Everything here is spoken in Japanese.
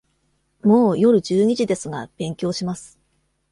もう夜十二時ですが、勉強します。